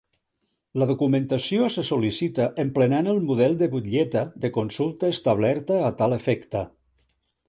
La documentació se sol·licita emplenant el model de butlleta de consulta establerta a tal efecte.